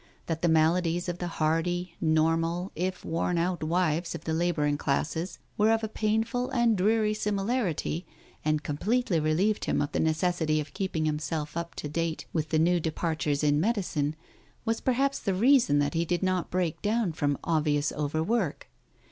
That the maladies of the hardy, normal, if worn out wives of the labouring classes were of a painful and dreary similarity, and com pletely relieved him of the necessity of keeping himself up to date with the new departures in medicine, was perhaps the reason that be did not break down from obvious overwork.